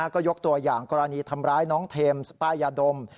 ก็ยกตัวอย่างกรณีทำร้ายน้องเทมส์ป้ายยาดม